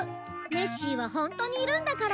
ネッシーはホントにいるんだから。